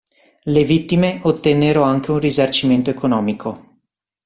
Le vittime ottennero anche un risarcimento economico.